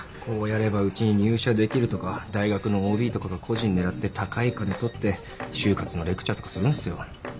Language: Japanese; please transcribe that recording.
こうやればうちに入社できるとか大学のＯＢとかが個人狙って高い金取って就活のレクチャーとかするんすよ。